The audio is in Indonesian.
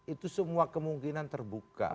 itu semua kemungkinan terbuka